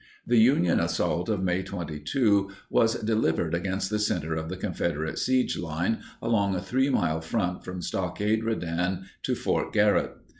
] The Union assault of May 22 was delivered against the center of the Confederate siege line along a 3 mile front from Stockade Redan to Fort Garrott.